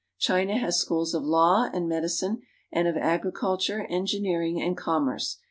China has schools of law and medicine and of agriculture, engineering, and commerce.